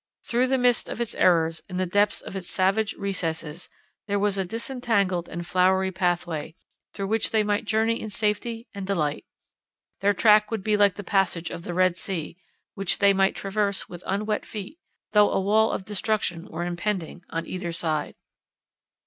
Through the midst of its errors, in the depths of its savage recesses, there was a disentangled and flowery pathway, through which they might journey in safety and delight. Their track would be like the passage of the Red Sea, which they might traverse with unwet feet, though a wall of destruction were impending on either side.